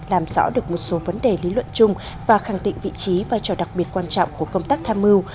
làm rõ được một số vấn đề lý luận chung và khẳng định vị trí và trò đặc biệt quan trọng của công tác tham mưu